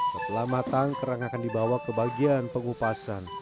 setelah matang kerang akan dibawa ke bagian pengupasan